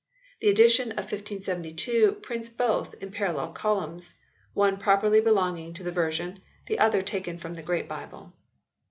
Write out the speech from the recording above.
The edition of 1572 prints both in parallel columns one properly belonging to the version, the other taken from the Great Bible.